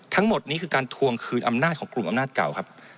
ทั้งหมดนี้คือการทวงคืนอำนาจของกลุ่มอำนาจเก่าครับ